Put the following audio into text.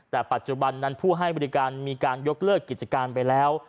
แต่ปัจจุบันนั้นผู้ให้บริการมีการยกเลิกกิจการไปแล้ว